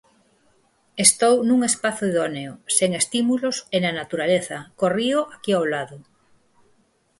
Estou nun espazo idóneo, sen estímulos e na natureza, co río aquí ao lado.